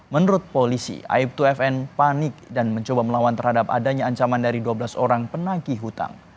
menurut polisi aib dua fn panik dan mencoba melawan terhadap adanya ancaman dari dua belas orang penagi hutang